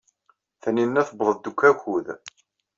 Taninna tewweḍ-d deg wakud.